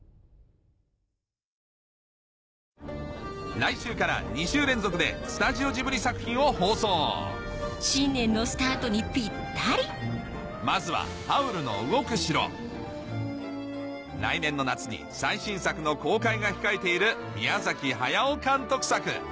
来週から２週連続でスタジオジブリ作品を放送新年のスタートにぴったりまずは来年の夏に最新作の公開が控えている宮駿監督作